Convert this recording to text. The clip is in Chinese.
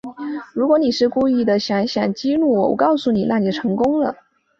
如果你是故意想想激怒我，我告诉你，那你成功了